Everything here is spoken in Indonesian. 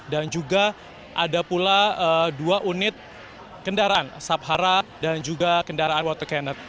dan juga ada pula dua unit kendaraan subhara dan juga kendaraan water cannon